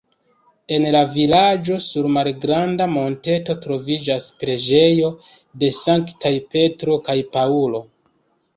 En la vilaĝo sur malgranda monteto troviĝas preĝejo de Sanktaj Petro kaj Paŭlo.